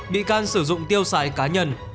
bị can sử dụng tiêu xài cá nhân